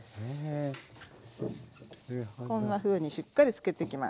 こんなふうにしっかりつけてきます。